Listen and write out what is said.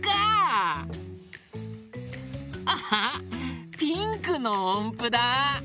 アハッピンクのおんぷだ！